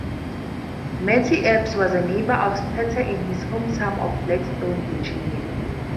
Mattie Eppes was a neighbor of Pete in his hometown of Blackstone, Virginia.